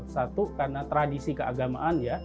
satu karena tradisi keagamaan ya